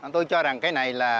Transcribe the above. tôi cho rằng cái này là